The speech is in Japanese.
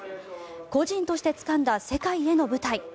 個人としてつかんだ世界への舞台。